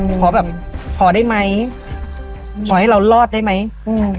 ขอแบบขอได้ไหมขอให้เรารอดได้ไหมอืม